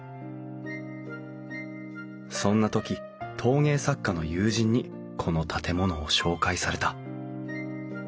そんな時陶芸作家の友人にこの建物を紹介された。